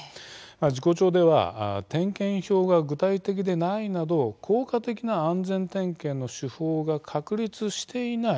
事故調では点検表が具体的でないなど効果的な安全点検の手法が確立していない